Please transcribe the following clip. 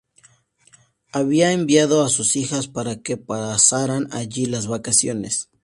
Había enviado a sus hijas para que pasaran allí las vacaciones.